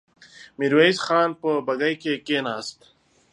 ميرويس خان په بګۍ کې کېناست.